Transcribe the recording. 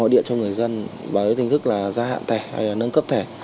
gọi điện cho người dân với hình thức là gia hạn thẻ hay là nâng cấp thẻ